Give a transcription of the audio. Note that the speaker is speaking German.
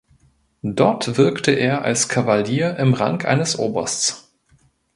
Dort wirkte er als Kavalier im Rang eines Obersts.